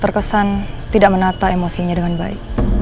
terkesan tidak menata emosinya dengan baik